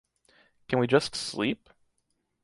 Can we just sleep?